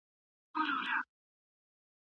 که داخلي توليدات زيات سي واردات به کم سي.